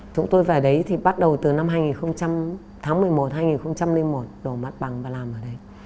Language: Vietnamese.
chúng tôi về đấy thì bắt đầu từ năm hai nghìn một mươi một hai nghìn một đổ mặt bằng và làm ở đấy